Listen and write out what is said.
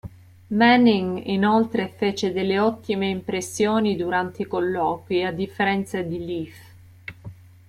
Manning inoltre fece delle ottime impressioni durante i colloqui, a differenza di Leaf.